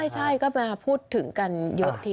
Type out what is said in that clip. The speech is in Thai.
ใช่ก็มาพูดถึงกันเยอะที